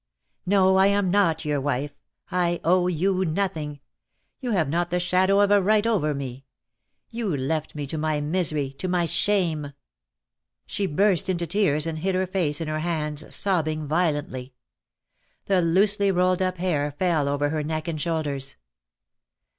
"No, I am not your wife. I owe you nothing. You have not the shadow of a right over me. You left me to my misery, to my shame." She burst into tears, and hid her face in her hands, sobbing violently. The loosely rolled up hair fell over her neck and shoulders.